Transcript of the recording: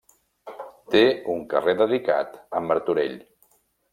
Té un carrer dedicat a Martorell.